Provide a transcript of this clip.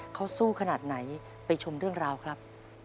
เขาสู้ขนาดไหนไปชมเรื่องราวครับ